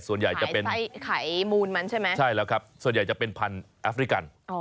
ส่วนใหญ่จะเป็นไขมูลมันใช่ไหมใช่แล้วครับส่วนใหญ่จะเป็นพันธุ์แอฟริกัน